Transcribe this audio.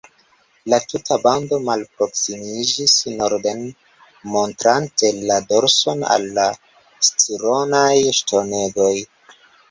La tuta bando malproksimiĝis norden, montrante la dorson al la Scironaj ŝtonegoj.